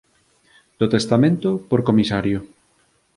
Do testamento por comisario